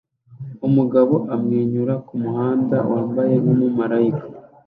Umugabo amwenyura kumuhanda wambaye nkumumarayika